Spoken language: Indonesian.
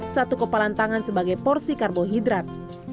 satu kepalan tangan sebagai porsi karbohidrat